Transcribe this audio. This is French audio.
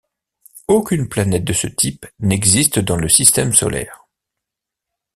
Aucune planète de ce type n'existe dans le Système solaire.